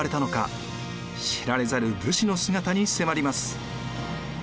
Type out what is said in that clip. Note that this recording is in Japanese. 知られざる武士の姿に迫ります。